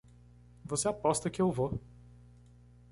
Você aposta que eu vou!